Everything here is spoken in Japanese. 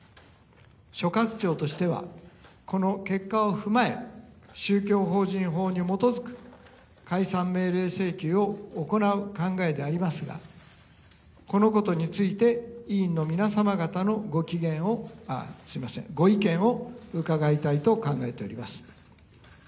所轄庁としてはこの結果を踏まえ宗教法人法に基づく解散命令請求を行う考えでありますがこのことについて委員の皆様方のご意見を伺いたいと考えております。